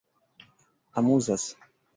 amuzas